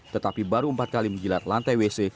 tetapi baru empat kali menjilat lantai wc